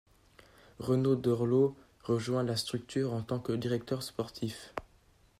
Renaud Derlot rejoint la structure en tant que directeur sportif.